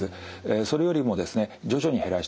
それよりもですね徐々に減らしていく。